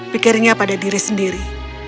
pikirnya pada diri sendiri